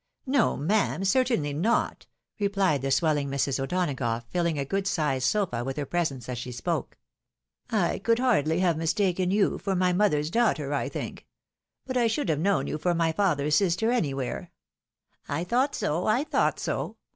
" No, ma'am, certainly not," replied the swelling Mrs. O'Donagough, filling a good sized sofa with her presence as she spoke. I could hardly have mistaken you for my mother's daughter, I think. But I should have known you for my other's sister anywhere." " I thought so, I thought so.